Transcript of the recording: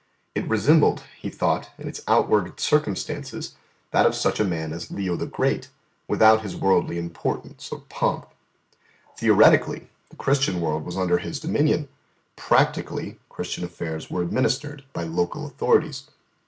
It resembled, He thought, in its outward circumstances that of such a man as Leo the Great, without His worldly importance or pomp. Theoretically, the Christian world was under His dominion; practically, Christian affairs were administered by local authorities.